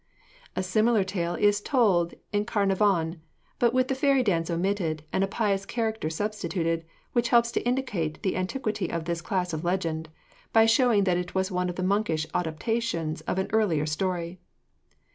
A similar tale is told in Carnarvon, but with the fairy dance omitted and a pious character substituted, which helps to indicate the antiquity of this class of legend, by showing that it was one of the monkish adoptions of an earlier story.